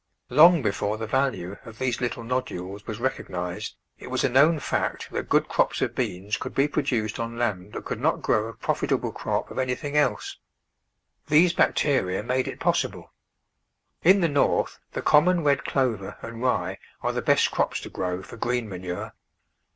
Long before the value of these little nodules was recognised it was a known fact that good crops of beans could be produced on land that could not grow a profitable crop of anything else. These bacteria made it possible. In the North the common red clover and rye are the best crops to grow for green manure.